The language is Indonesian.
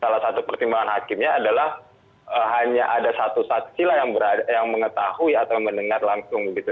salah satu pertimbangan hakimnya adalah hanya ada satu saksi lah yang mengetahui atau mendengar langsung gitu